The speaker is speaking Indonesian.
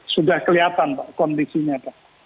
sudah kelihatan pak kondisinya pak